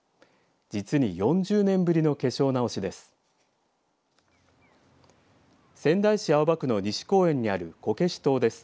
実に４０年ぶりの化粧直しです。